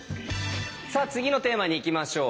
さあ次のテーマにいきましょう。